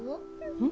うん。